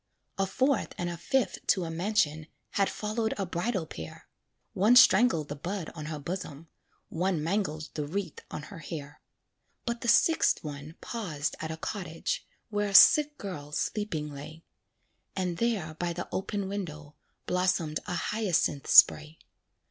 A fourth and a fifth to a mansion Had followed a bridal pair; One strangled the bud on her bosom, One mangled the wreath on her hair. But the sixth one paused at a cottage, Where a sick girl sleeping lay; And there by the open window, Blossomed a hyacinth spray.